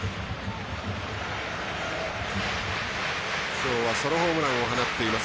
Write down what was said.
きょうはソロホームランを放っています。